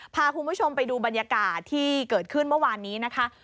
พาคุณผู้ชมไปดูบรรยากาศที่เกิดขึ้นเมื่อวานนี้นะคะ